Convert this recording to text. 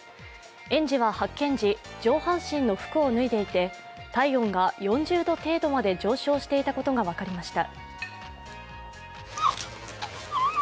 園児は発見時、上半身の服を脱いでいて体温が４０度程度まで上昇していたことが分かりました。